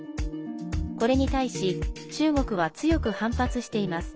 これに対し中国は強く反発しています。